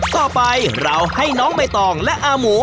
ต่อไปเราให้น้องใบตองและอาหมู